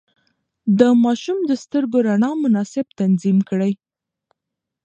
د ماشوم د سترګو رڼا مناسب تنظيم کړئ.